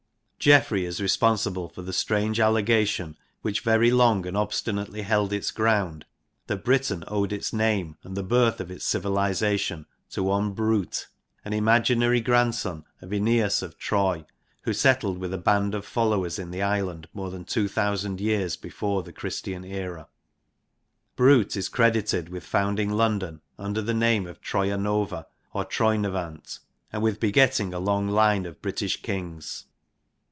Geoffrey is responsible for the strange allegation, which very long and obstinately held its ground, that Britain owed its name and the birth of its civilisa tion to one Brute, an imaginary grandson of Aeneas of Troy, who settled with a band of followers in the island more than 2000 years before t^* ffirjgtjm gp Brute is credited with founding London under the name of Troia Nova or Troyno vant, and with begetting a long line of British Kings.